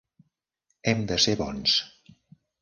Hem de ser bons.